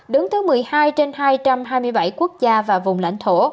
đứng thứ một mươi hai trên hai trăm hai mươi bảy quốc gia và vùng lãnh thổ